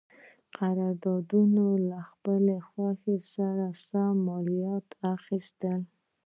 قراردادیانو له خپلې خوښې سره سم مالیات اخیستل.